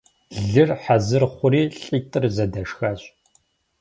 Лыр хьэзыр хъури, лӀитӀыр зэдэшхащ.